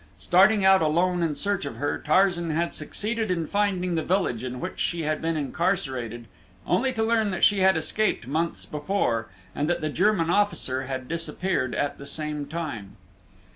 Starting out alone in search of her, Tarzan had succeeded in finding the village in which she had been incarcerated only to learn that she had escaped months before, and that the German officer had disappeared at the same time.